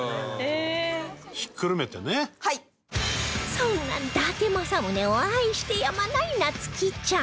そんな伊達政宗を愛してやまない夏姫ちゃん